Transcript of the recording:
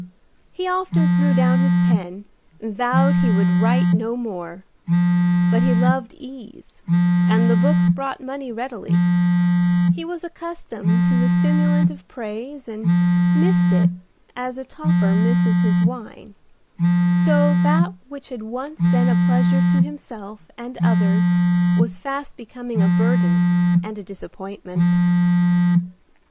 He often threw down his pen and vowed he would write no more; but he loved ease and the books brought money readily; he was accustomed to the stimulant of praise and missed it as the toper misses his wine, so that which had once been a pleasure to himself and others was fast becoming a burden and a disappointment.